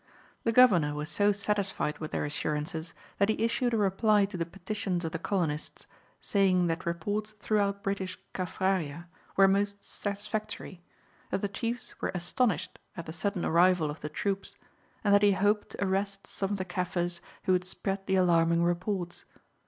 The Governor was so satisfied with their assurances that he issued a reply to the petitions of the colonists, saying that reports throughout British Kaffraria were most satisfactory, that the chiefs were astonished at the sudden arrival of the troops, and that he hoped to arrest some of the Kaffirs who had spread the alarming reports.